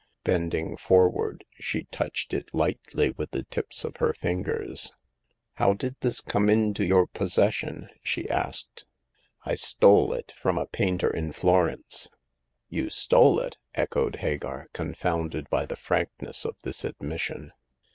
Bending forward, she touched it lightly with the tips of her fingers. " How did this come into your possession ?" sho asked* The Fourth Customer. 115 r, " I stole it from a painter in Florence." " You stole it !" echoed Hagar, confounded by the frankness of this admission.